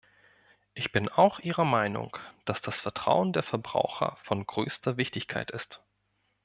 Ich bin auch Ihrer Meinung, dass das Vertrauen der Verbraucher von größter Wichtigkeit ist.